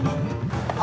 ya udah aku mau pake